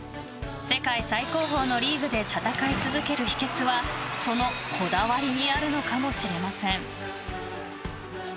世界最高峰のリーグで戦い続ける秘訣はそのこだわりにあるのかもしれません。